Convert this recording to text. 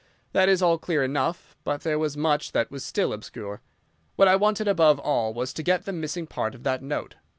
That is all clear enough, but there was much that was still obscure. What I wanted above all was to get the missing part of that note.